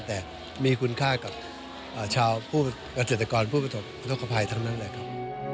แต่มีคุณค่ากับชาวกระเศรษฐกรผู้ปโภคครับภัยทั้งนั้นแหละครับ